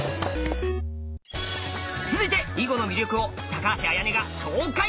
続いて囲碁の魅力を橋彩音が紹介！